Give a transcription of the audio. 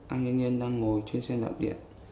hai anh thanh niên đang ngồi trên xe đạp điện